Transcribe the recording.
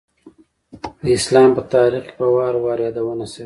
د اسلام په تاریخ کې په وار وار یادونه شوېده.